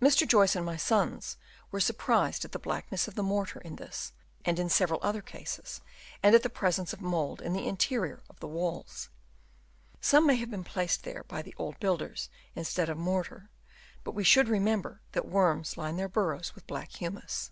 Mr. Joyce and rny sons were surprised at the blackness of the mortar in this and in several other cases, and at the presence of mould in the interior of the walls. Some may have been placed there by the old builders instead of mortar ; but we should remember that worms line their burrows with black humus.